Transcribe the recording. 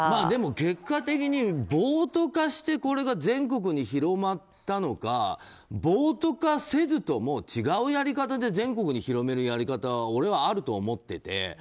でも結果的に、暴徒化してこれが全国に広まったのか暴徒化せずとも違うやり方で全国に広めるやり方は俺はあると思っていて。